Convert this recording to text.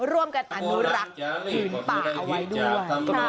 ร่วมกันอนุรักษ์ผืนป่าเอาไว้ด้วย